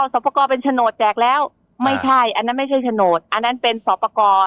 สอบประกอบเป็นโฉนดแจกแล้วไม่ใช่อันนั้นไม่ใช่โฉนดอันนั้นเป็นสอบประกอบ